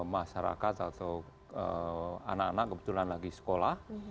masyarakat atau anak anak kebetulan lagi sekolah